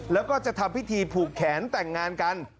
แล้วก็จะทำพิธีผูกแขนแต่งงานกัน